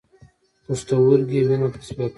پښتورګي وینه تصفیه کوي